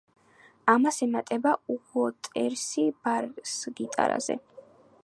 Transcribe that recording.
ამას ემატება უოტერსი ბას-გიტარაზე.